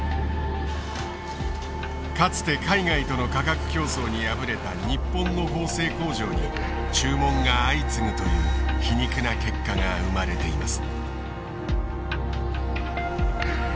かつて海外との価格競争に敗れた日本の縫製工場に注文が相次ぐという皮肉な結果が生まれています。